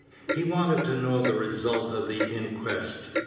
He wanted to know the result of the inquest.